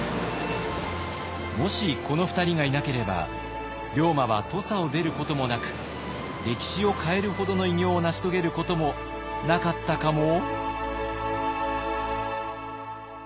もしこの２人がいなければ龍馬は土佐を出ることもなく歴史を変えるほどの偉業を成し遂げることもなかったかも？